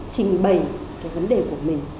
trình bày vấn đề của mình